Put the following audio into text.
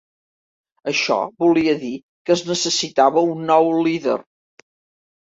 Això volia dir que es necessitava un nou líder.